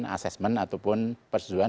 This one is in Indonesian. assessment ataupun persesuaian